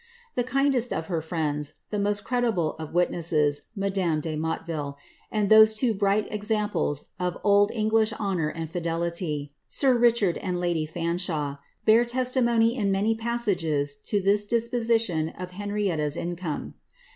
The kindest of her friends, the most credible of witnesses, madame de Motteville, and those two bright examples of old English honour and fidelity, sir Richard and lady Fanshawe, bear testimony in many passages to this disposition of Henrietta's income.